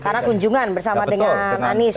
karena kunjungan bersama dengan anies ya